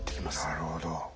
なるほど。